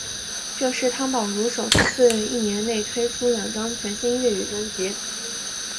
这是汤宝如首次一年内推出两张全新粤语专辑。